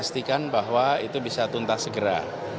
pastikan bahwa itu bisa tuntas segera